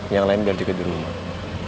yang lain biar dikejar rumah